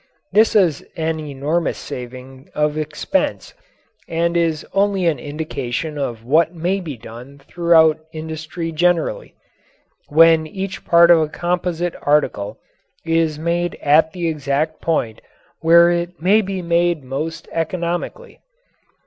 This is an enormous saving of expense and is only an indication of what may be done throughout industry generally, when each part of a composite article is made at the exact point where it may be made most economically.